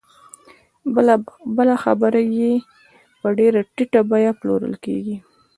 بله برخه یې په ډېره ټیټه بیه پلورل کېږي